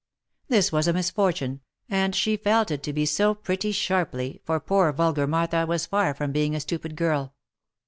This was a misfortune, and she felt it to be so pretty sharply, fox poor vulgar Martha was far from being a stupid girl.